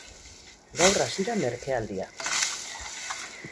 Gaur hasi da merkealdia.